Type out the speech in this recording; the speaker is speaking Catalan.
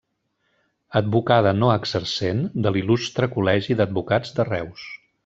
Advocada no exercent de l'Il·lustre Col·legi d'Advocats de Reus.